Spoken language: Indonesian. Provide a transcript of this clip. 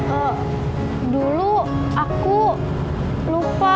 eee dulu aku beli ini buat kamu